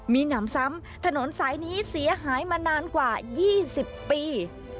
มีหนำซ้ำถนนสายนี้เสียหายมานานกว่า๒๐ปี